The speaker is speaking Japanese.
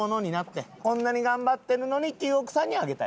こんなに頑張ってるのにっていう奥さんにあげたい。